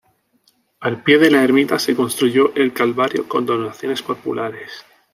Al pie de la Ermita se construyó El Calvario con donaciones populares.